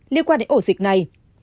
liên quan đến ổ dịch này